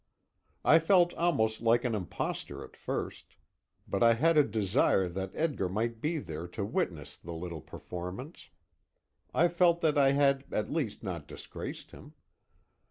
I felt almost like an impostor at first, but I had a desire that Edgar might be there to witness the little performance. I felt that I had, at least, not disgraced him.